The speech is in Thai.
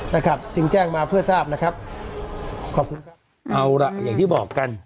นะครับจึงแจ้งมาเพื่อทราบนะครับขอบคุณครับเอาล่ะอย่างที่บอกกัน